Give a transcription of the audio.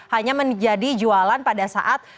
hanya menjadi jualan pada saat